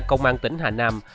công an tỉnh hà nam